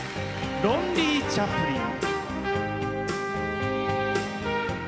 「ロンリー・チャップリン」。